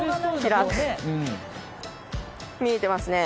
見えてますね。